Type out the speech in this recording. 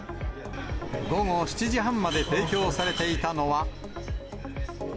午後７時半まで提供されていたのは。